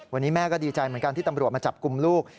วันนี้แม่ก็ดีใจเหมือนกันที่ตำรวจมาจับกลุ่มลูก